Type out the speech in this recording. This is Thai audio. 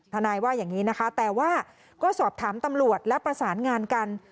นายว่าอย่างนี้นะคะแต่ว่าก็สอบถามตำรวจและประสานงานกัน